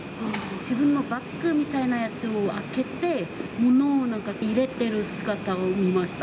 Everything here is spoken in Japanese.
自分のバッグみたいなやつを開けて、物をなんか、入れてる姿を見ました。